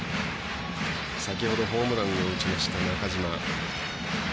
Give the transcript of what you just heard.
先ほどホームランを打ちました中島。